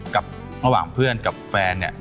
กับระหว่างเพื่อนกับแฟนเนี่ย